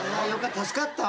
助かったわ。